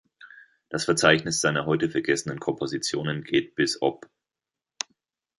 Das Verzeichnis seiner heute vergessenen Kompositionen geht bis op.